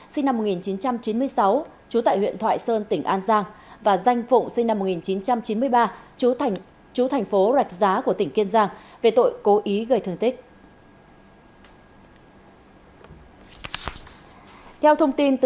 sinh năm một nghìn chín trăm chín mươi sáu trú tại huyện thoại sơn tỉnh an giang và danh phụng sinh năm một nghìn chín trăm chín mươi ba chú thành phố rạch giá của tỉnh kiên giang về tội cố ý gây thương tích